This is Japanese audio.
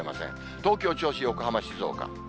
東京、銚子、横浜、静岡。